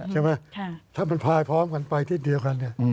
ใช่ไหมถ้ามันไปพร้อมไปทีเดียวกัน